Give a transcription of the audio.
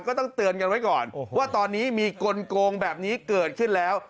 ก็ต้องเตือนกันไว้ก่อนว่าตอนนี้มีกลงแบบนี้เกิดขึ้นแล้ว